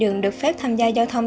đường được phép tham gia giao thông